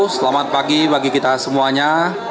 selamat pagi bagi kita semuanya